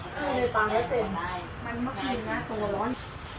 ถ้าเลือกออกไม่เป็นมันมักกินนะตรงวันร้อน